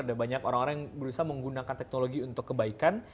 ada banyak orang orang yang berusaha menggunakan teknologi untuk kebaikan